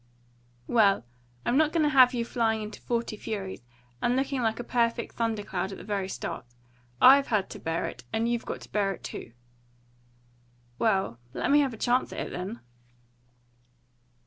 "Well, I'm not going to have you flying into forty furies, and looking like a perfect thunder cloud at the very start. I've had to bear it, and you've got to bear it too." "Well, let me have a chance at it, then."